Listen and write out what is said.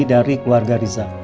dari keluarga riza